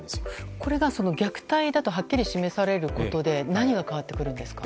これが虐待だとはっきり示されることで何が変わってくるんですかね。